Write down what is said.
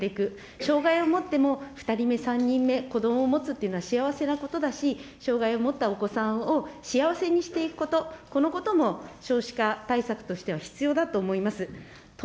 総理として、やはり障害を持って生まれたお子さんを社会で支えていく、障害を持っても、２人目、３人目、子どもを持つっていうのは幸せなことだし、障害を持ったお子さんを幸せにしていくこと、このことも少子化対策としては必要だと思います。